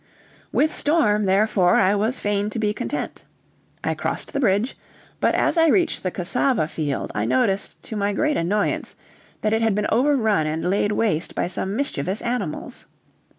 With Storm, therefore, I was fain to be content. I crossed the bridge, but as I reached the cassava field I noticed to my great annoyance that it had been overrun and laid waste by some mischievous animals.